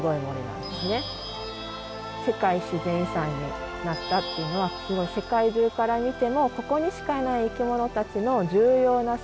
世界自然遺産になったっていうのはすごい世界中から見てもここにしかいない生き物たちの重要な生息場所ということで世界遺産になってるんですね。